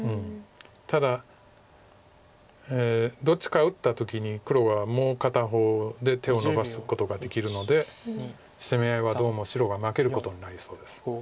ただどっちか打った時に黒がもう片方で手をのばすことができるので攻め合いはどうも白が負けることになりそうです。